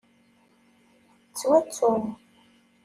Ttwattun.